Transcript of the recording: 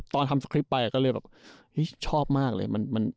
ตอนทำสคริปต์ไปก็เลยแบบชอบมากเลย